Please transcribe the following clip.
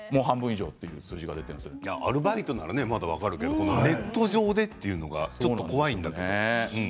アルバイトなら分かるけどネット上でというのがちょっと怖いんだけど。